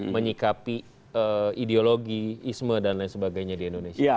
menyikapi ideologi isme dan lain sebagainya di indonesia